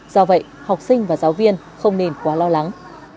do vậy học sinh và giáo viên không nên quá lo lắng